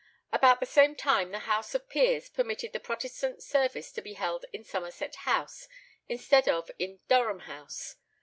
About the same time the House of Peers permitted the Protestant service to be held in Somerset House instead of in Durham House.